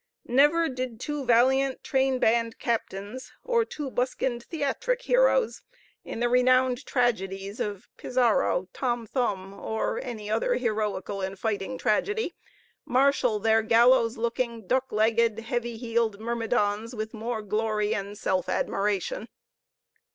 Never did two valiant train band captains, or two buskined theatric heroes, in the renowned tragedies of Pizarro, Tom Thumb, or any other heroical and fighting tragedy, marshal their gallows looking, duck legged, heavy heeled myrmidons with more glory and self admiration.